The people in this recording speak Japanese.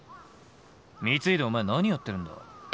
光秀お前何やってるんだ？